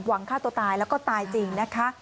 ฆ่าตัวตายแล้วก็ตายจริงนะคะ